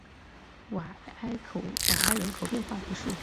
瓦埃人口变化图示